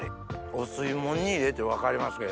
お吸い物に入れて分かりますけど